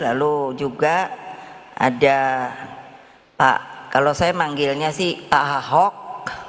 lalu juga ada pak kalau saya manggilnya sih pak ahok